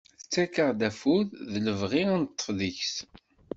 Tettak-aɣ-d afud, d lebɣi ad neṭṭef deg-s.